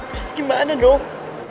terus gimana dong